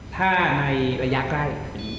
ถ้าในระยะใกล้